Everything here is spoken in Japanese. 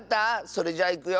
それじゃいくよ。